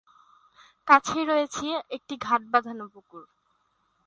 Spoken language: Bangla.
কাছেই রয়েছে ছোট একটি ঘাট বাঁধানো পুকুর।